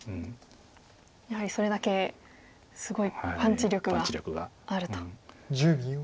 やはりそれだけすごいパンチ力があると。